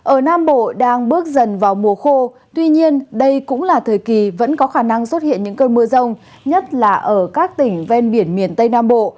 ở nam bộ đang bước dần vào mùa khô tuy nhiên đây cũng là thời kỳ vẫn có khả năng xuất hiện những cơn mưa rông nhất là ở các tỉnh ven biển miền tây nam bộ